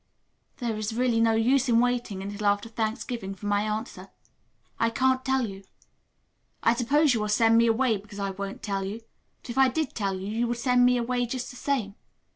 "There is really no use in waiting until after Thanksgiving for my answer. I can't tell you. I suppose you will send me away because I won't tell you, but if I did tell you, you would send me away just the same.